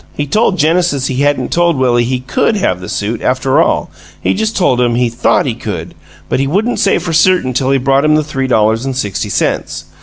He told Genesis he hadn't told Willie he COULD have the suit, after all; he just told him he THOUGHT he could, but he wouldn't say for certain till he brought him the three dollars an' sixty cents.